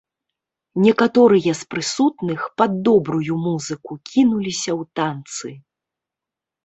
Некаторыя з прысутных, пад добрую музыку, кінуліся ў танцы.